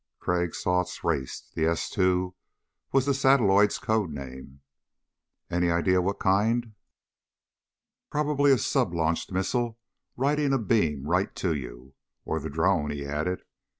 Crag's thoughts raced. The S two was the satelloid's code name. "Any idea what kind?" "Probably a sub launched missile riding a beam right to you. Or the drone," he added.